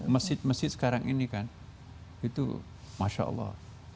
mesjid mesjid sekarang ini kan itu masha allah